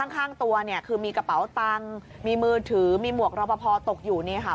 ข้างตัวเนี่ยคือมีกระเป๋าตังค์มีมือถือมีหมวกรอปภตกอยู่นี่ค่ะ